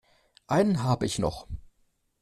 Einen habe ich noch.